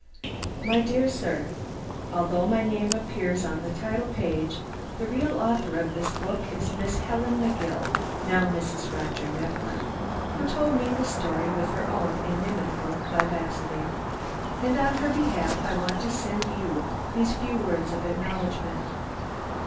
MY DEAR SIR, Although my name appears on the title page, the real author of this book is Miss Helen McGill (now Mrs. Roger Mifflin), who told me the story with her own inimitable vivacity. And on her behalf I want to send to you these few words of acknowledgment.